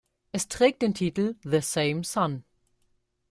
Es trägt den Titel "The Same Sun".